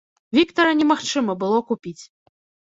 Віктара немагчыма было купіць.